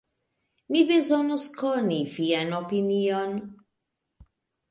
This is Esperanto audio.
Mi bezonos koni vian opinion.